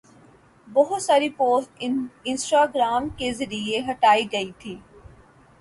بہت ساری post Instagram کے ذریعہ ہٹائی گئی تھی